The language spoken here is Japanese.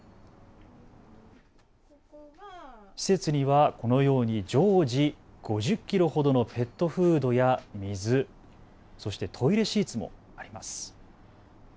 施設にはこのように常時５０キロほどのペットフードや水、そしてトイレシーツもあります。